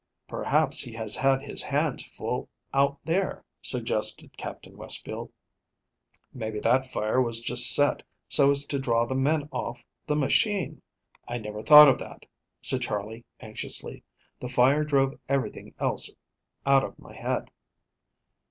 "Perhaps he has had his hands full out there," suggested Captain Westfield. "Maybe that fire was just set so as to draw the men off the machine." "I never thought of that," said Charley, anxiously. "The fire drove everything else out of my head.